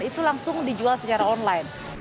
itu langsung dijual secara online